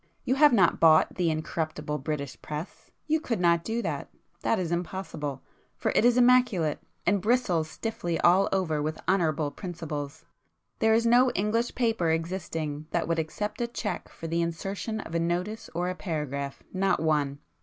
You have not 'bought' the incorruptible British Press; you could not do that; that is impossible, for it is immaculate, and bristles stiffly all over with honourable principles. There is no English paper existing that would accept a cheque for the insertion of a notice or a paragraph; not one!"